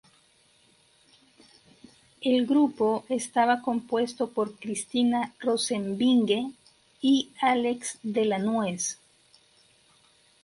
El grupo estaba compuesto por Christina Rosenvinge y Álex de la Nuez.